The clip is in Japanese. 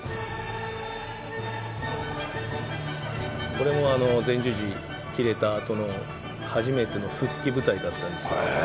これも前十字切れたあとの初めての復帰舞台だったんです。